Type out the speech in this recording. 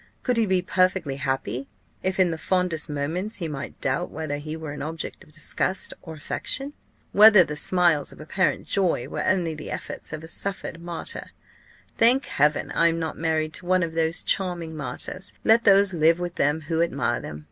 Could he be perfectly happy, if, in the fondest moments, he might doubt whether he were an object of disgust or affection? whether the smiles of apparent joy were only the efforts of a suffering martyr? Thank Heaven! I am not married to one of these charming martyrs. Let those live with them who admire them.